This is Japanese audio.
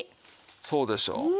そうでしょう。